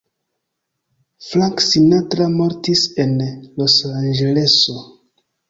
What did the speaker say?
Frank Sinatra mortis en Losanĝeleso.